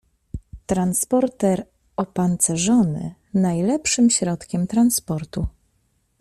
Transporter opancerzony najlepszym środkiem transportu.